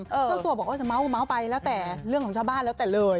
เจ้าตัวบอกว่าจะเมาส์ไปแล้วแต่เรื่องของชาวบ้านแล้วแต่เลย